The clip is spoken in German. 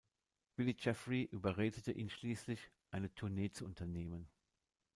Willie Jeffrey überredete ihn schließlich, eine Tournee zu unternehmen.